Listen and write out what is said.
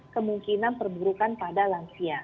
kemungkinan perburukan pada langsia